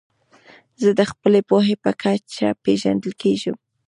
زه د خپلي پوهي په کچه پېژندل کېږم.